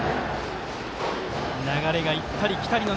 流れが行ったり来たりの